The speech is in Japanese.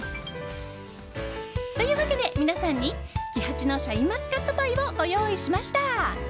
というわけで、皆さんにＫＩＨＡＣＨＩのシャインマスカットパイをご用意しました。